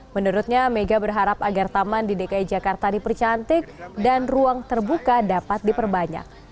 menurutnya mega berharap agar taman di dki jakarta dipercantik dan ruang terbuka dapat diperbanyak